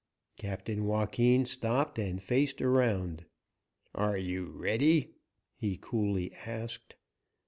Captain Joaquin stopped and faced around. "Are you ready?" he coolly asked.